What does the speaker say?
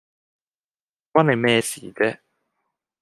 關你咩事啫？